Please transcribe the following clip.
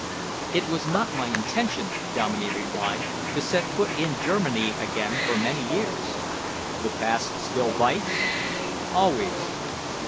"It was not my intention," Dominey replied, "to set foot in Germany again for many years." "The past still bites?" "Always."